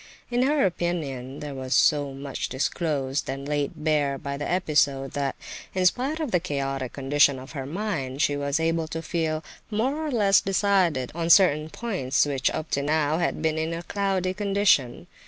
In her opinion there was so much disclosed and laid bare by the episode, that, in spite of the chaotic condition of her mind, she was able to feel more or less decided on certain points which, up to now, had been in a cloudy condition.